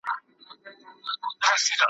چي حتی د یوې کلمې `